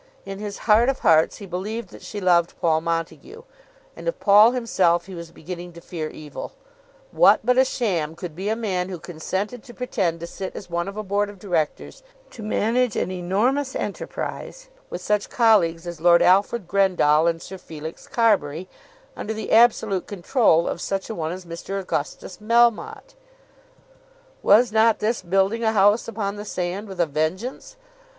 In his heart of hearts he believed that she loved Paul Montague; and of Paul himself he was beginning to fear evil. What but a sham could be a man who consented to pretend to sit as one of a Board of Directors to manage an enormous enterprise with such colleagues as Lord Alfred Grendall and Sir Felix Carbury, under the absolute control of such a one as Mr. Augustus Melmotte? Was not this building a house upon the sand with a vengeance?